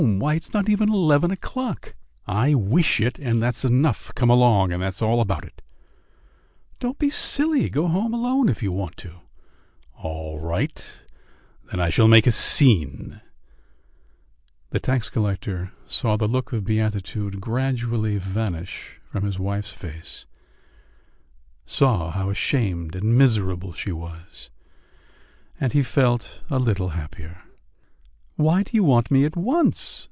Why, it's not eleven o'clock." "I wish it, and that's enough. Come along, and that's all about it." "Don't be silly! Go home alone if you want to." "All right; then I shall make a scene." The tax collector saw the look of beatitude gradually vanish from his wife's face, saw how ashamed and miserable she was and he felt a little happier. "Why do you want me at once?"